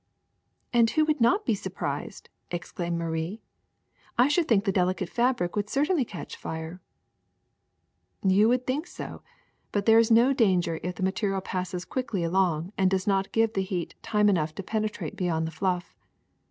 '' And who would not be surprised!'' exclaimed Marie. ''I should think the delicate fabric would certainly catch fire." You would think so, but there is no danger if the material passes quickly along and does not give the heat time enough to penetrate beyond the fluff.